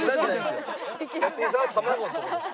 安井さんは卵のところの人。